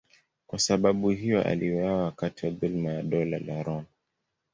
Kwa sababu hiyo aliuawa wakati wa dhuluma ya Dola la Roma.